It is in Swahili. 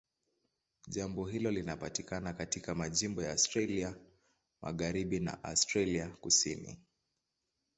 Jangwa hilo linapatikana katika majimbo ya Australia Magharibi na Australia Kusini.